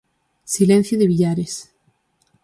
Silencio de Villares.